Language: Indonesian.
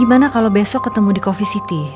gimana kalau besok ketemu di coffee city